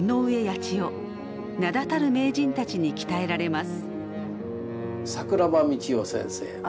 名だたる名人たちに鍛えられます。